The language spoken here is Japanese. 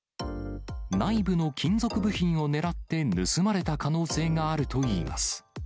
内部の金属部品を狙って盗まれた可能性があるといいます。